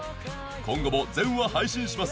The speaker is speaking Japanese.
今後も全話配信します